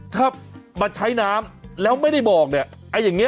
ถ้าช้าน้ำแล้วไม่ได้บอกเนี่ย